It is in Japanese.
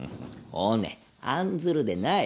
おね案ずるでない。